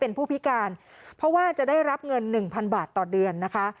เป็นผู้พิการเพราะว่าจะได้รับเงินหนึ่งพันบาทต่อเดือนนะคะ